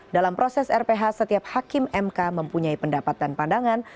dalam proses rph setiap hakim mk mempunyai pendapat dan pandangan